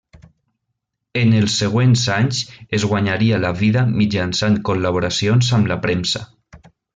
En els següents anys es guanyaria la vida mitjançant col·laboracions amb la premsa.